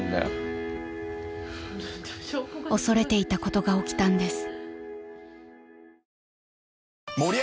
［恐れていたことが起きたんです］